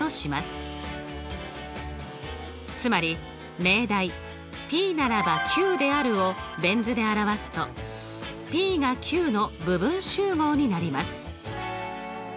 つまり命題「ｐならばｑである」をベン図で表すとＰがＱの部分集合になります。